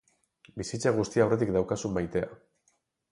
Bizitza guztia aurretik daukazu maitea.